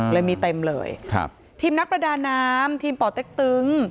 เลยมีเต็มเลยครับทีมนักประดาน้ำทีมป่อเต็กตึง